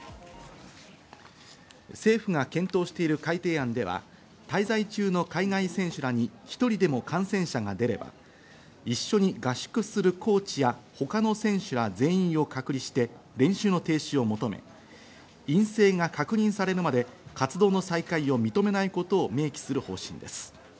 政府が検討している改定案では、滞在中の海外選手らに１人でも感染者が出れば、一緒に合宿するコーチや、他の選手ら全員を隔離して練習の停止を求め、陰性が確認されるまで活動の再開を認めないことを明記する方針です。